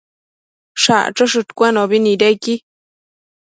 Shachëshëdcuenobi nidequi